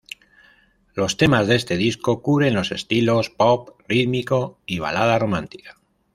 Los temas de este disco cubren los estilos pop rítmico y balada romántica.